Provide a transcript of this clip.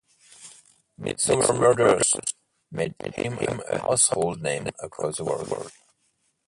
"Midsomer Murders" made him a household name across the world.